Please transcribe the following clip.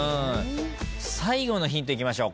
最後のヒントいきましょう。